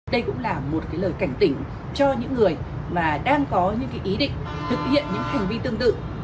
đây cũng là một cái lời cảnh tỉnh cho những người mà đang có những ý định thực hiện những hành vi tương tự